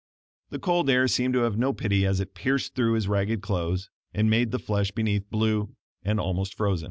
The cold air seemed to have no pity as it pierced through his ragged clothes, and made the flesh beneath blue and almost frozen.